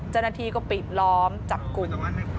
จนนาทีก็ปีบล้อมจับกุ่ม